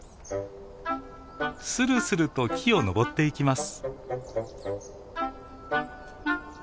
するすると木を登っていきます。